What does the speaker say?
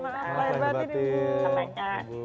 mohon maaf lahir batin ibu